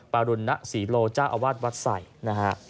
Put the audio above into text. ปรุณสิโลจ้าอาวาสวัดไซค์